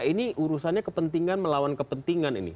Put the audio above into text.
ini urusannya kepentingan melawan kepentingan ini